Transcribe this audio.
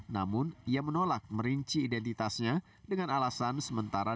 namun ia menolak merinci identitasnya dengan alasan sementara